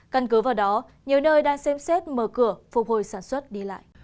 căn cứ vào đó nhiều nơi đang xem xét mở cửa phục hồi sản xuất đi lại